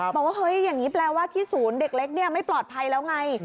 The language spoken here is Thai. บอกว่าเฮ้ยอย่างนี้แปลว่าที่ศูนย์เด็กเล็กไม่ปลอดภัยแล้วไง